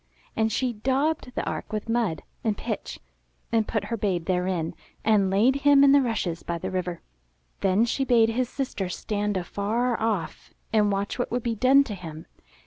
And she daubed the ark with mud and pitch and put her babe therein, and laid him in the rushes by the river. Then she bade his sister stand afar off and watch what would be done to him.